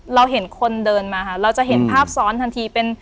เราเห็นคนเดินมาค่ะเราจะเห็นภาพซ้อนทันทีเป็น